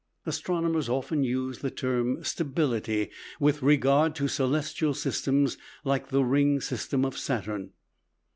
Astronomers often use the term "stability" with regard to celestial systems like the ring system of Saturn.